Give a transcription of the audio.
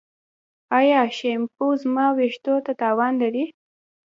ایا شیمپو زما ویښتو ته تاوان لري؟